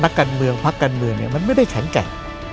นักการเมืองพราคการเมืองไม่ได้แข็งแก้